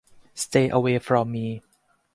Stay away from me.